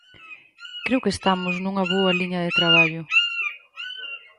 Creo que estamos nunha boa liña de traballo.